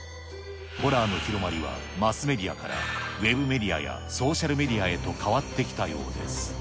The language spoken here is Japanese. ホラーの広まりは、マスメディアからウェブメディアやソーシャルメディアへと変わってきたようです。